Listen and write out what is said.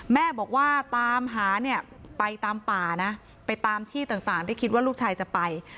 แม่บอกว่าตามหาเนี่ยไปตามป่านะไปตามที่ต่างที่คิดว่าลูกชายจะไป